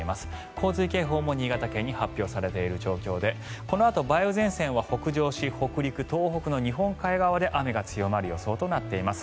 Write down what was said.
洪水警報も新潟県に発表されている状況でこのあと、梅雨前線は北上し北陸、東北の日本海側で雨が強まる予想となっています。